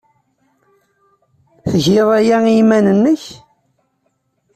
Tgiḍ aya i yiman-nnek?